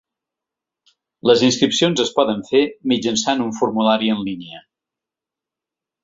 Les inscripcions es poden fer mitjançant un formulari en línia.